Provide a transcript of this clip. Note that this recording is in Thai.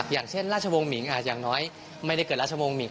อย่างเช่นราชวงศ์หมิงอย่างน้อยไม่ได้เกิดราชวงศ์หิง